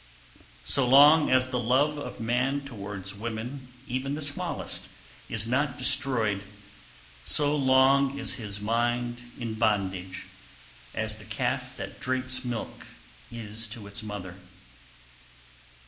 284. So long as the love of man towards women, even the smallest, is not destroyed, so long is his mind in bondage, as the calf that drinks milk is to its mother.